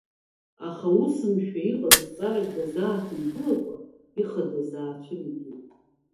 Аха усымшәа иҟаз зҵаарак дазааҭымгылакәа, ихадаз аацәыригеит.